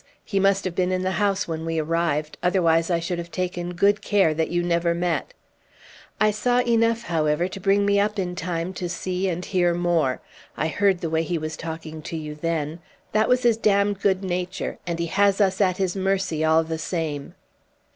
He must have been in the house when we arrived; otherwise I should have taken good care that you never met. I saw enough, however, to bring me up in time to see and hear more. I heard the way he was talking to you then; that was his damned good nature, and he has us at his mercy all the same."